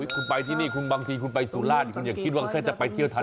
คุณไปที่นี่คุณบางทีคุณไปสุราชคุณอย่าคิดว่าถ้าจะไปเที่ยวทัน